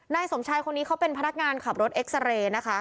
นายสมชายคนนี้เขาเป็นพนักงานขับรถเอ็กซาเรย์นะคะ